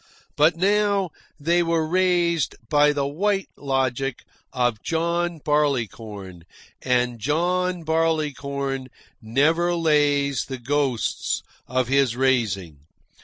But now they were raised by the White Logic of John Barleycorn, and John Barleycorn never lays the ghosts of his raising.